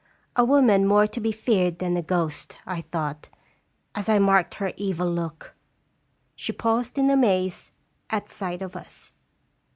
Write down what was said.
A woman more to be feared than a ghost, I thought, as I marked her evil look. She paused in amaze at sight of us.